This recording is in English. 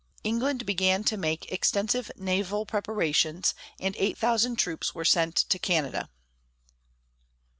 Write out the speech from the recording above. England began to make extensive naval preparations, and eight thousand troops were sent to Canada.